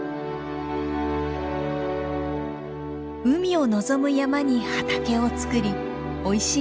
海を望む山に畑を作りおいしい